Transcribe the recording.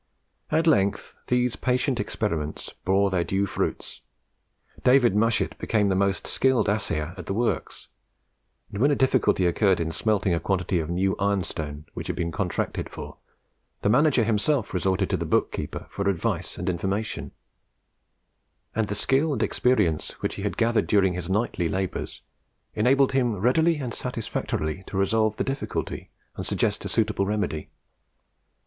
At length these patient experiments bore their due fruits. David Mushet became the most skilled assayer at the works; and when a difficulty occurred in smelting a quantity of new ironstone which had been contracted for, the manager himself resorted to the bookkeeper for advice and information; and the skill and experience which he had gathered during his nightly labours, enabled him readily and satisfactorily to solve the difficulty and suggest a suitable remedy.